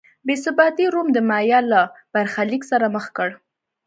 بې ثباتۍ روم د مایا له برخلیک سره مخ کړ.